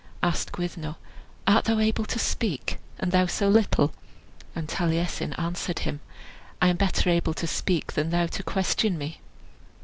Asked Gwyddno, "Art thou able to speak, and thou so little?" And Taliesin answered him, "I am better able to speak than thou to question me."